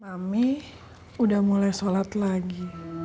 ami udah mulai sholat lagi